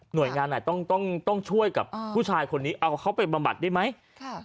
โดยงานไหนต้องต้องช่วยกับผู้ชายคนนี้เอาเขาไปบำบัดได้ไหมค่ะ